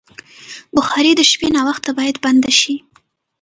بخاري د شپې ناوخته باید بنده شي.